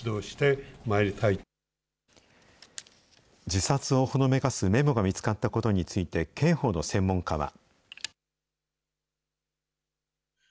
自殺をほのめかすメモが見つかったことについて、刑法の専門家は。